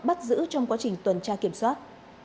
bắt giữ trong quá trình tuần tra kiểm soát